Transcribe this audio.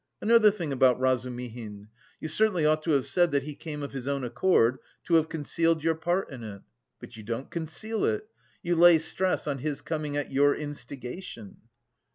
"Another thing about Razumihin you certainly ought to have said that he came of his own accord, to have concealed your part in it! But you don't conceal it! You lay stress on his coming at your instigation."